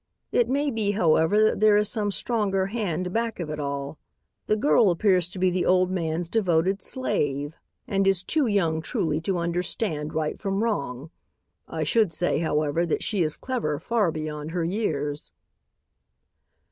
It may be, however, that there is some stronger hand back of it all. The girl appears to be the old man's devoted slave and is too young truly to understand right from wrong. I should say, however, that she is clever far beyond her years."